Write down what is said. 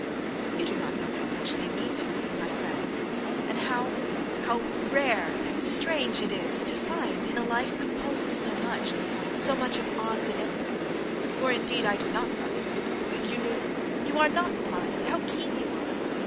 "You do not know how much they mean to me, my friends, And how, how rare and strange it is, to findIn a life composed so much, so much of odds and ends,(For indeed I do not love it … you knew? you are not blind! How keen you are!)